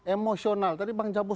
emosional tadi bang jabu